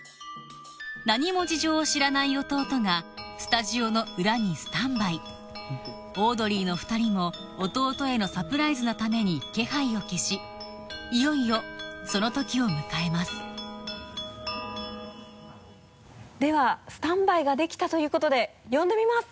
何も事情を知らない弟がスタジオの裏にスタンバイオードリーの２人も弟へのサプライズのために気配を消しいよいよその時を迎えますではスタンバイができたということで呼んでみます